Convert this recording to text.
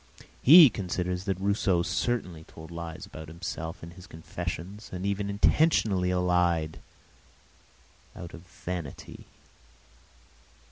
He considers that Rousseau certainly told lies about himself in his confessions, and even intentionally lied, out of vanity.